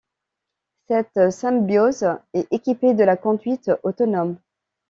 Cette Symbioz est équipée de la conduite autonome.